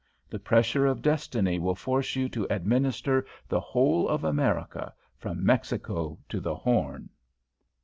The pressure of destiny will force you to administer the whole of America from Mexico to the Horn."